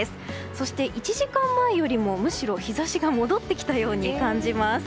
そして、１時間前よりむしろ日差しが戻ってきたように感じます。